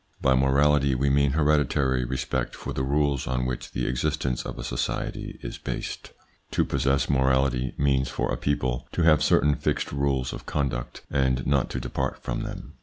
By| morality we mean hereditary respect for the rules on which the existence of a society is based. To possess 32 THE PSYCHOLOGY OF PEOPLES : morality means, for a people, to have certain fixed rules of conduct and not to depart from them.